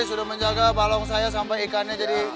sudah menjaga balong saya sampai ikannya jadi